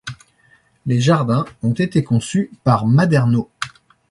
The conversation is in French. Les jardins ont été conçus par Maderno.